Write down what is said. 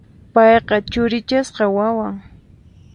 Payqa churichasqa wawan.